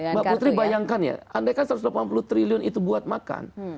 mbak putri bayangkan ya andaikan satu ratus delapan puluh triliun itu buat makan